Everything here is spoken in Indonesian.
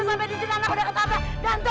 jadi si sulam masuk penjara